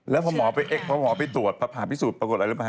แล้วพอหมอไปเอ็กพอหมอไปตรวจพอผ่าพิสูจนปรากฏอะไรรู้ไหมฮ